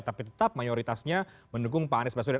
tapi tetap mayoritasnya mendukung pak anies baswedan